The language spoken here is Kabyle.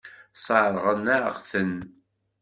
Sseṛɣen-aɣ-ten.